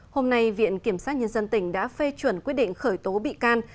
hôm nay viện kiểm sát nhân dân tỉnh đã phê chuẩn quyết định khởi tố bị can